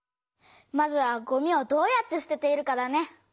まずはごみをどうやってすてているかだね。